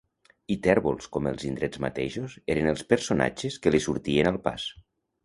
I tèrbols com els indrets mateixos, eren els personatges que li sortien al pas.